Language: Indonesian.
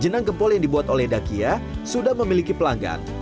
jenang gempol yang dibuat oleh dakia sudah memiliki pelanggan